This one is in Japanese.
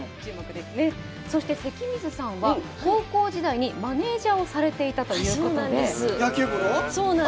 そして、関水さんは高校時代にマネージャーをされていたということで。